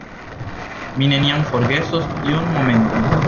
Mi neniam forgesos tiun momenton.